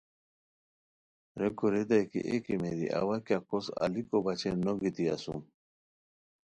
ریکو ریتائے کی اے کیمیری اوا کیہ کوس الیکو بچین نوگیتی اسوم